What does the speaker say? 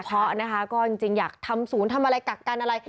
เพราะนะคะก็จริงอยากทำศูนย์ทำอะไรกักกันอะไร